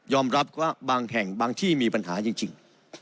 รับว่าบางแห่งบางที่มีปัญหาจริง